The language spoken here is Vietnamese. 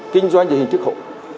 kinh doanh dưới hình thức hộ